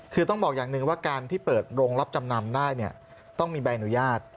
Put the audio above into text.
คือต้องบอกอย่างหนึ่งว่าการที่เปิดโรงรับจำนำได้เนี่ยต้องมีใบอนุญาต